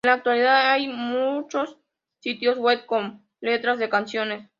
En la actualidad, hay muchos sitios web con letras de canciones.